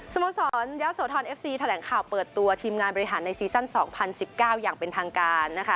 โมสรยะโสธรเอฟซีแถลงข่าวเปิดตัวทีมงานบริหารในซีซั่น๒๐๑๙อย่างเป็นทางการนะคะ